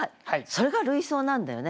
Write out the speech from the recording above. それが類想なんだよね。